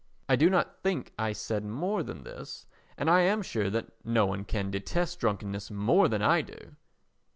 I do not think I said more than this and am sure that no one can detest drunkenness more than I do.